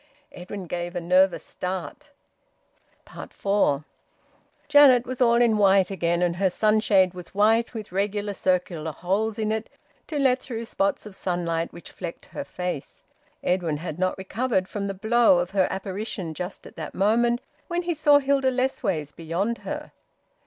Edwin gave a nervous start. FOUR. Janet was all in white again, and her sunshade was white, with regular circular holes in it to let through spots of sunlight which flecked her face. Edwin had not recovered from the blow of her apparition just at that moment, when he saw Hilda Lessways beyond her.